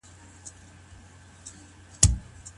آيا پر خاوند باندي د ميرمني د جامو حق سته؟